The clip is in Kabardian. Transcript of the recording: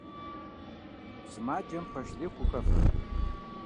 Сымаджэм пэш лей хухэфх.